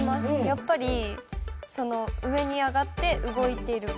やっぱり上に上がって動いてるから。